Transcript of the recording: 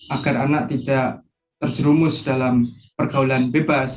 agar anak tidak terjerumus dalam pergaulan bebas